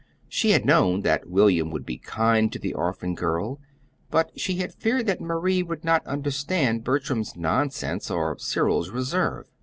She had known that William would be kind to the orphan girl, but she had feared that Marie would not understand Bertram's nonsense or Cyril's reserve.